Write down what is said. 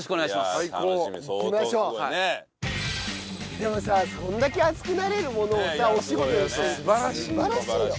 でもさそれだけ熱くなれるものをさお仕事にするって素晴らしいよ。